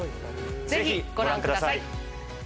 ぜひご覧ください。